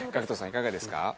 いかがですか？